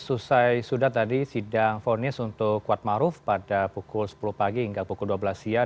susah sudah tadi sidang phone in untuk kuatmaruf pada pukul sepuluh pagi hingga pukul dua belas siang